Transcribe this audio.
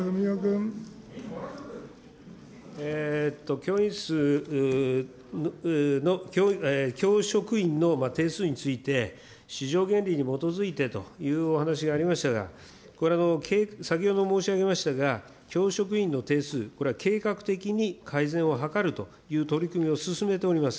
教員数の、教職員の定数について、市場原理に基づいてというお話がありましたが、これも先ほど申し上げましたが、教職員の定数、これは計画的に改善を図るという取り組みを進めております。